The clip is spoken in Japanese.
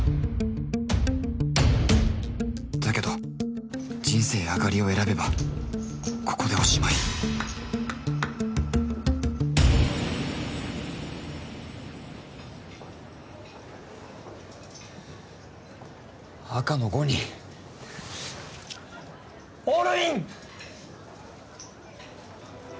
だけど人生あがりを選べばここでおしまい赤の５にオールイン！